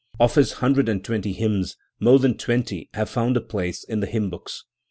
* Of his hundred and twenty hymns, more than twenty have found^a place in the hymn books.